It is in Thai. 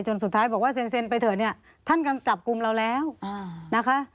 สุดท้ายบอกว่าเซ็นไปเถอะเนี่ยท่านกำจับกลุ่มเราแล้วนะคะ